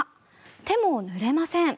手もぬれません。